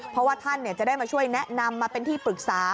เพราะว่าท่านจะได้มาช่วยแนะนำมาเป็นที่ปรึกษา